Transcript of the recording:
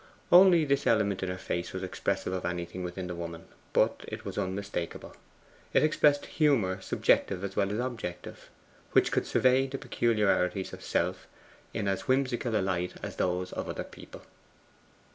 Only this element in her face was expressive of anything within the woman, but it was unmistakable. It expressed humour subjective as well as objective which could survey the peculiarities of self in as whimsical a light as those of other people.